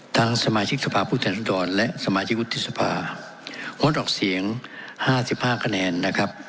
ทางสมาชิกสภาผู้แทนรัฐดรรมและสมาชิกอุทธิสภารวดออกเสียงห้าสิบห้าคะแนนนะครับ